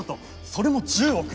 それも１０億。